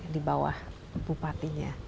di bawah bupatinya